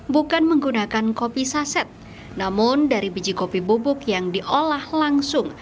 bukan menggunakan kopi saset namun dari biji kopi bubuk yang diolah langsung